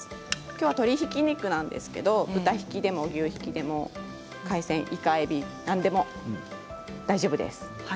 きょうは鶏ひき肉なんですけれど豚ひきでも牛ひきでも海鮮、いか、えび何でも大丈夫です。